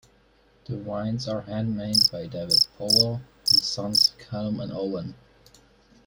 The wines are handmade by David Powell and his sons Callum and Owen.